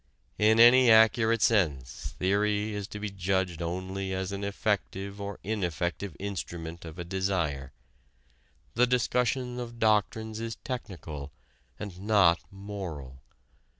In any accurate sense theory is to be judged only as an effective or ineffective instrument of a desire: the discussion of doctrines is technical and not moral.